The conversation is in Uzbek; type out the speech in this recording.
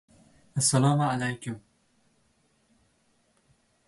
• Bittagina yomon hushtak butun kuyni buzadi.